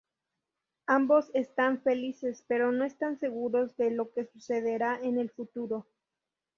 Ambos están felices, pero no están seguros de lo que sucederá en el futuro.